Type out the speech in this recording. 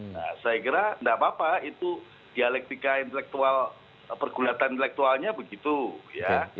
nah saya kira tidak apa apa itu dialektika intelektual pergulatan intelektualnya begitu ya